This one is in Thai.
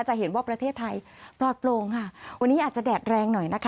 จะเห็นว่าประเทศไทยปลอดโปร่งค่ะวันนี้อาจจะแดดแรงหน่อยนะคะ